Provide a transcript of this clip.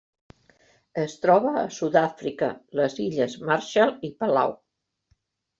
Es troba a Sud-àfrica, les Illes Marshall i Palau.